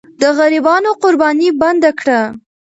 د غریبانو قرباني بنده کړه.